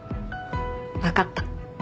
分かった。